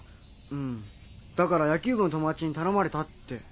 うんだから「野球部の友達に頼まれた」って。